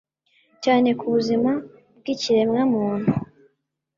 cyane ku buzima bw'ikiremwamuntu.